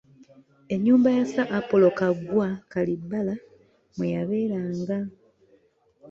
Ennyumba ya Sir Apollo Kaggwa Kalibbala mwe yabeeranga.